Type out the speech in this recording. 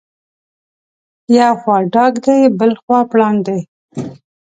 یو خوا ډاګ دی بلخوا پړانګ دی.